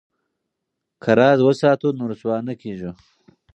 که راز وساتو نو رسوا نه کیږو.